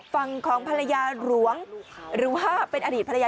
ฝั่งของภรรยาหลวงหรือว่าเป็นอดีตภรรยา